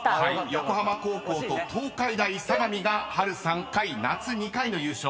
［横浜高校と東海大相模が春３回夏２回の優勝。